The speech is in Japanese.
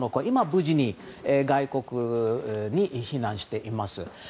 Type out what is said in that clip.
今は無事に外国に避難しています。